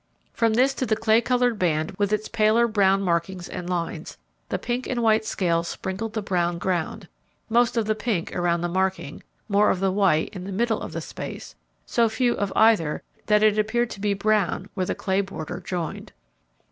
From this to the clay coloured band with its paler brown markings and lines, the pink and white scales sprinkled the brown ground; most of the pink, around the marking, more of the white, in the middle of the space; so few of either, that it appeared to be brown where the clay border joined.